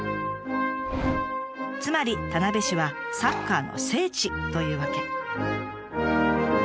つまり田辺市はサッカーの聖地というわけ。